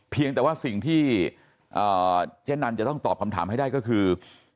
เพียงแต่ว่าสิ่งที่เจ๊นันจะต้องตอบคำถามให้ได้ก็คือ